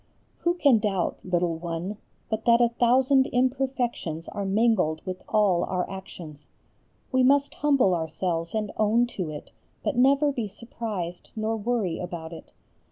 Who can doubt, little one, but that a thousand imperfections are mingled with all our actions. We must humble ourselves and own to it, but never be surprised nor worry about it.